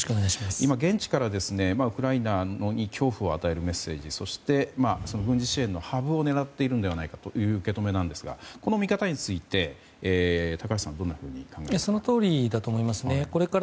今、現地からウクライナに恐怖を与えるメッセージそして、軍事支援のハブを狙っているのではないかという受け止めなんですがこの見方について高橋さんはどう考えていますか。